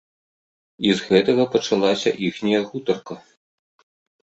І з гэтага пачалася іхняя гутарка.